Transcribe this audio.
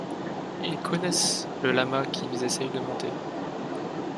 Ils connaissent le lama, qu'ils essaient de monter.